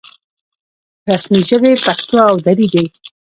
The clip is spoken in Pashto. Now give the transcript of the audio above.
رسمي ژبې پښتو او دري دي